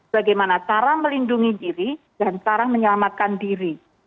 bagaimana cara melindungi diri dan cara menyelamatkan diri